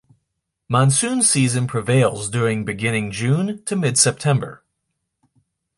Monsoon season prevails during beginning-June to mid-September.